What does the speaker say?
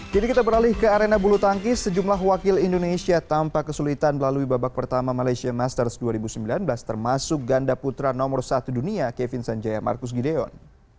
kini kita beralih ke arena bulu tangkis sejumlah wakil indonesia tampak kesulitan melalui babak pertama malaysia masters dua ribu sembilan belas termasuk ganda putra nomor satu dunia kevin sanjaya marcus gideon